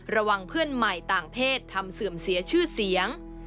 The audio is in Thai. เพื่อนใหม่ต่างเพศทำเสื่อมเสียชื่อเสียง